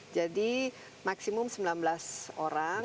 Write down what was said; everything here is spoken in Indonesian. jadi maksimum sembilan belas orang